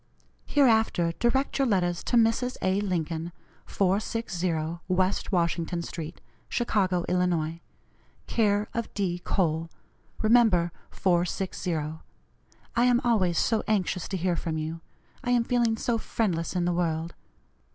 Hereafter direct your letters to Mrs. A. Lincoln, 460 West Washington street, Chicago, Ill., care of D. Cole. Remember 460. I am always so anxious to hear from you, I am feeling so friendless in the world.